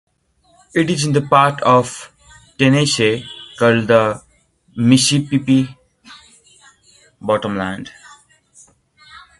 It is in the part of Tennessee called the "Mississippi bottomland".